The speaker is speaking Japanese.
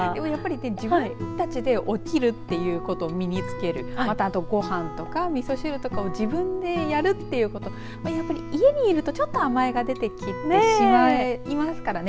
自分たちで起きるということを身につけるまたごはんとかみそ汁とかを自分でやるということ家にいるとちょっと甘えが出てきてしまいますからね